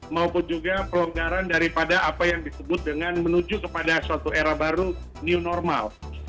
maupun juga pelonggaran daripada apa yang disebut dengan menuju kepada suatu era baru new normal